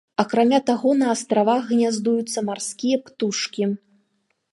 Акрамя таго, на астравах гняздуюцца марскія птушкі.